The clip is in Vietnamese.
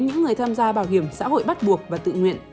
những người tham gia bảo hiểm xã hội bắt buộc và tự nguyện